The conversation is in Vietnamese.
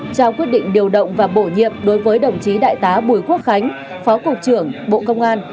trao quyết định điều động và bổ nhiệm đối với đồng chí đại tá bùi quốc khánh phó cục trưởng bộ công an